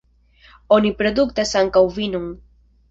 Oni produktas ankaŭ vinon.